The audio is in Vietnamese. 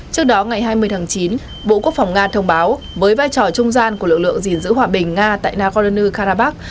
trước đó ngày hai mươi tháng chín bộ quốc phòng nga thông báo với vai trò trung gian của lực lượng gìn giữ hòa bình nga tại nagorno karabakh